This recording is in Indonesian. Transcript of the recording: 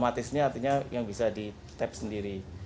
antisnya artinya yang bisa di tap sendiri